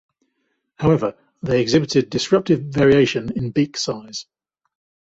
However, they exhibited disruptive variation in beak size.